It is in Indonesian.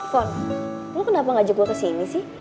lo kenapa ngajak gue kesini sih